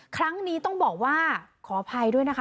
ครั้งนี้ต้องบอกว่าขออภัยด้วยนะคะ